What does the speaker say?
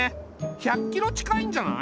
１００キロ近いんじゃない？